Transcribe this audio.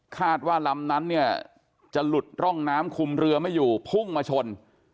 คาดว่าลำนั้นเนี่ยจะหลุดร่องน้ำคุมเรือไม่อยู่พุ่งมาชน